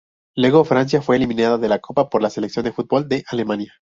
Luego Francia fue eliminada de la copa por la selección de fútbol de Alemania.